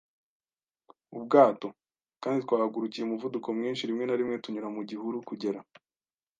ubwato. ” Kandi twahagurukiye umuvuduko mwinshi, rimwe na rimwe tunyura mu gihuru kugera